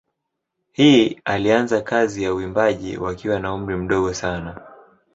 Hill alianza kazi za uimbaji wakiwa na umri mdogo sana.